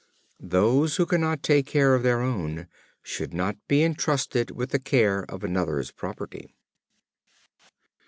Those who cannot take care of their own, should not be entrusted with the care of another's property.